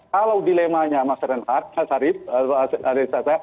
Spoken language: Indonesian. kalau dilemanya mas renhardt